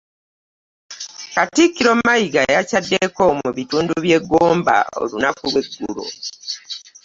Katikkiro Mayiga yakyaddeko mu bitundu by'e Gomba olunaku lw'eggulo.